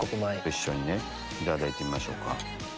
一緒にいただいてみましょうか。